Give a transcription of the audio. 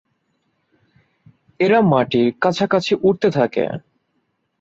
এরা মাটির কাছাকাছি উড়তে থাকে।